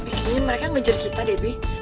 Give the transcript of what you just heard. bi kayaknya mereka ngejar kita debi